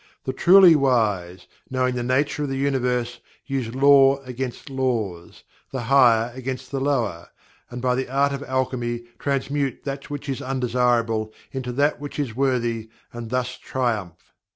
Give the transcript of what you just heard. The truly wise, knowing the nature of the Universe, use Law against laws; the higher against the lower; and by the Art of Alchemy transmute that which is undesirable into that which is worthy, and thus triumph.